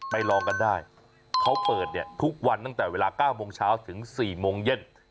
ลองกันได้เขาเปิดเนี่ยทุกวันตั้งแต่เวลา๙โมงเช้าถึง๔โมงเย็น